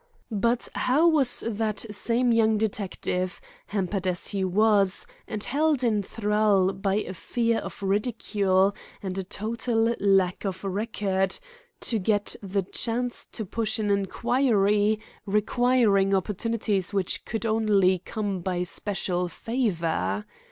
But how was that same young detective, hampered as he was, and held in thrall by a fear of ridicule and a total lack of record, to get the chance to push an inquiry requiring opportunities which could only come by special favor?